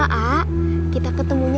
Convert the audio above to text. kamu jadi percaya